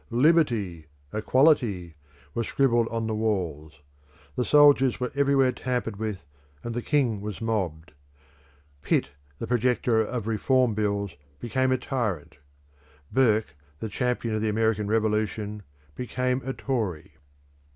Liberty! Equality!" were scribbled on the walls. The soldiers were everywhere tampered with, and the king was mobbed. Pitt, the projector of Reform Bills, became a tyrant. Burke, the champion of the American Revolution, became a Tory.